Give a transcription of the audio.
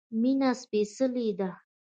مينه سپيڅلی ده